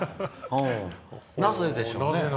なぜでしょうね。